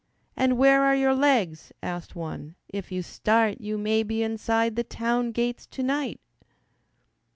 "And where are your legs," asked one, "if you start, You may be inside the town gates to night."